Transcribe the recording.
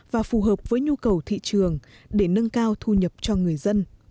và phù hợp với nhu cầu thị trường để nâng cao thu nhập cho người dân